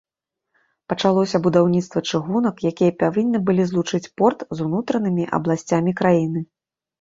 Пачалося будаўніцтва чыгунак, якія павінны былі злучыць порт з унутранымі абласцямі краіны.